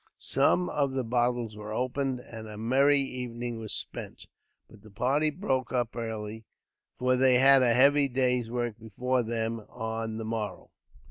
Some of the bottles were opened, and a merry evening was spent; but the party broke up early, for they had a heavy day's work before them, on the morrow.